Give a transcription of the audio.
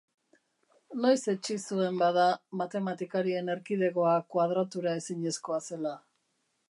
Noiz etsi zuen, bada, matematikarien erkidegoa koadratura ezinezkoa zela?